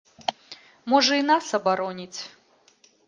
Можа, і нас абароніць.